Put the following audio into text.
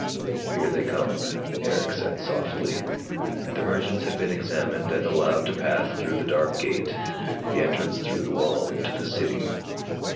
"Here they come," Erick said softly. The merchants had been examined and allowed to pass through the dark gate, the entrance through the wall into the City.